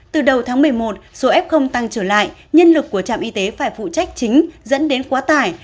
từ đầu tháng một mươi một số f tăng trở lại nhân lực của trạm y tế phải phụ trách chính dẫn đến quá tải